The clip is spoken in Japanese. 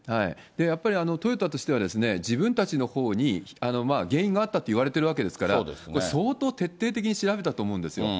やっぱりトヨタとしては、自分たちのほうに原因があったと言われているわけですから、相当徹底的に調べたと思うんですよね。